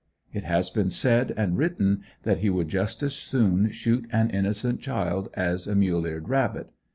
It has been said and written that he would just as soon shoot an innocent child as a mule eared rabbit.